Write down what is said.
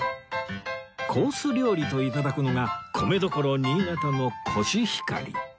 コース料理と頂くのが米どころ新潟のコシヒカリ